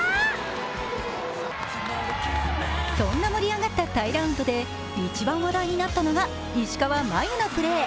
そんな盛り上がったタイ・ラウンドで一番話題になったのが、石川真佑のプレー。